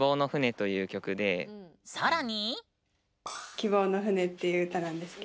さらに。